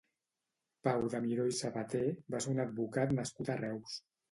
Pau de Miró i Sabater va ser un advocat nascut a Reus.